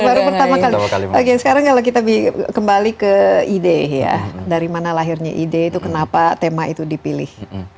baru pertama kali oke sekarang kalau kita kembali ke ide ya dari mana lahirnya ide itu kenapa tema itu dipilih